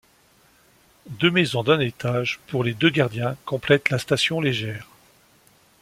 Deux maisons d'un étage pour les deux gardiens complète la station légère.